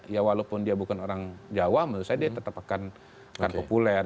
ya walaupun dia bukan orang jawa menurut saya dia tetap akan populer